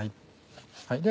では